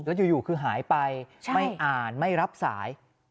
แล้วอยู่คือหายไปไม่อ่านไม่รับสาย